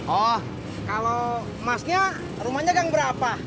oh kalau emasnya rumahnya yang berapa